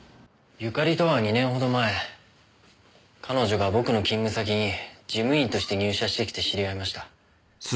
由香利とは２年ほど前彼女が僕の勤務先に事務員として入社してきて知り合いました。